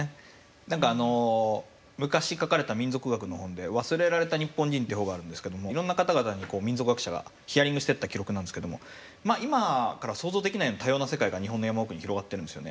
何か昔書かれた民俗学の本で「忘れられた日本人」という本があるんですけどもいろんな方々に民俗学者がヒアリングしていった記録なんですけども今からは想像できないような多様な世界が日本の山奥に広がってるんですよね。